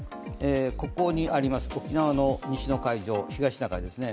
ここにあります、沖縄の西の海上東シナ海ですね。